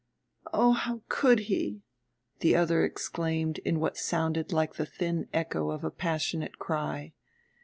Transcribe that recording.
"Oh, how could he!" the other exclaimed in what sounded like the thin echo of a passionate cry.